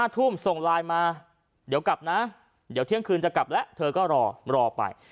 ทุ่มส่งไลน์มาเดี๋ยวกลับนะเดี๋ยวเที่ยงคืนจะกลับแล้วเธอก็รอรอไป